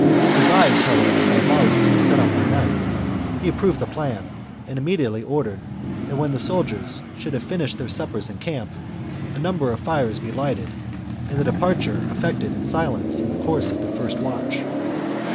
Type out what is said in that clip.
Advised, however, by Volux to set out by night, he approved the plan, and immediately ordered that when the soldiers should have finished their suppers in camp, a number 240 THE JUGURTHINE WAR. CHAP, of fires be lighted, and the departure effected in silence in the course of the first watch.